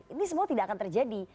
ini semua tidak akan terjadi